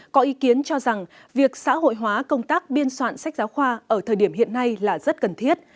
có ý kiến cho rằng việc xã hội hóa công tác biên soạn sách giáo khoa ở thời điểm hiện nay là rất cần thiết